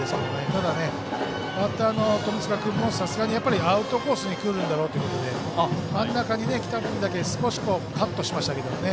ただね、バッターの富塚君もさすがにアウトコースに来るんだろうということで真ん中に来た分だけカットしましたけどね。